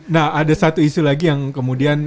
nah ada satu isu lagi yang kemudian